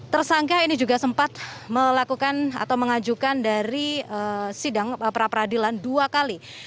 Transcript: tersangka ini juga sempat melakukan atau mengajukan dari sidang pra peradilan dua kali